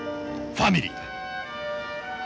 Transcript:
ファミリーだ！